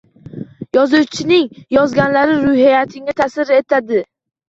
Yozuvchining yozganlari ruhiyatingga ta’sir etar.